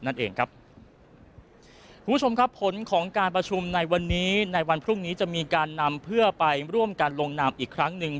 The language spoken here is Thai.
คุณผู้ชมครับผลของการประชุมในวันนี้ในวันพรุ่งนี้จะมีการนำเพื่อไปร่วมกันลงนามอีกครั้งหนึ่ง